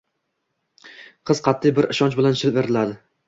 Qiz qatʼiy bir ishonch bilan shivirladi